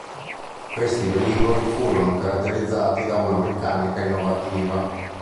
Questi velivoli furono caratterizzati da una meccanica innovativa.